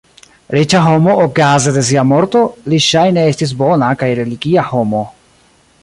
Riĉa homo okaze de sia morto, li ŝajne estis bona kaj religia homo.